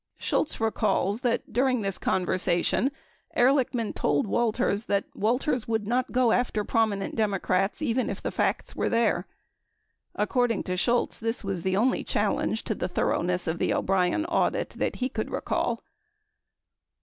26 Shultz recalls that during this conversation, Ehr lichman told Walters that Walters would not go after prominent Democrats even if the facts were there. According to Shultz, this was the only challenge to the thoroughness of the O'Brien audit that he could recall.